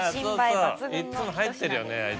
いっつも入ってるよね